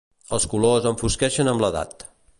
Els colors enfosqueixen amb l'edat.